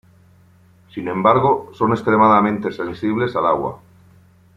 Sin embargo son extremadamente sensibles al agua.